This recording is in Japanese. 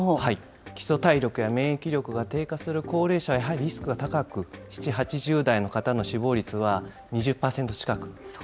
基礎体力や免疫力が低下する高齢者は、やはりリスクが高く、７、８０代の方の死亡率は２０％近く。